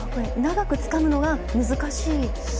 長くつかむのが難しい？